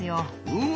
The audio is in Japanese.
うわ